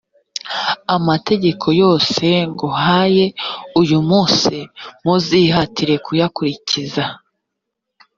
amategeko yose nguhaye uyu munsi muzihatire kuyakurikiza